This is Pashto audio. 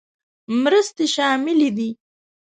مرستې شاملې دي.